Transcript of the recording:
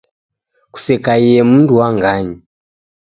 Kusekaie mundu wa nganyi